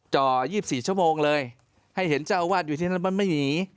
จ่อ๒๔ชั่วโมงเลยให้เห็นเจ้าอาวาสอยู่ที่นั่นมันไม่หนี